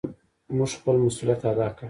مونږ خپل مسؤليت ادا کړ.